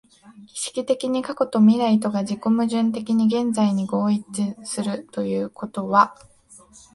意識的に過去と未来とが自己矛盾的に現在に合一するということは、